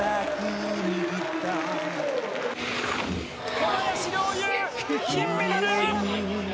小林陵侑、金メダル！